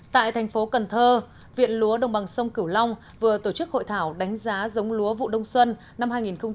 tại thành phố cần thơ viện lúa đồng bằng sông cửu long vừa tổ chức hội thảo đánh giá giống lúa vụ đông xuân năm hai nghìn một mươi bảy hai nghìn một mươi tám